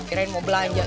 kira kira mau belanja